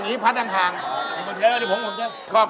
พี่คอมพี่คอม